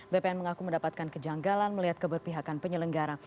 bpn mengaku mendapatkan kejanggalan melihat keberpihakan penyelenggara